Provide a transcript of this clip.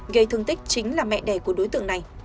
gây thương tích chính là mẹ đẻ của đối tượng này